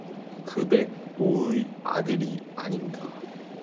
그 백 모의 아들이 아닌가.